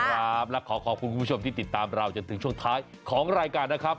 ครับและขอขอบคุณคุณผู้ชมที่ติดตามเราจนถึงช่วงท้ายของรายการนะครับ